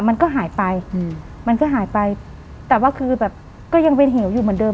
มันก็หายไปอืมมันก็หายไปแต่ว่าคือแบบก็ยังเป็นเหวอยู่เหมือนเดิ